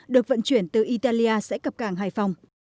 được vận chuyển từ italia sẽ cập cảng hải phòng